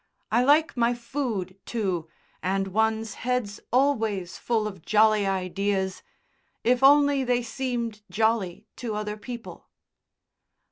I like my food, too, and one's head's always full of jolly ideas, if only they seemed jolly to other people."